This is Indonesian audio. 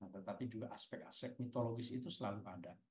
tetapi juga aspek aspek mitologis itu selalu ada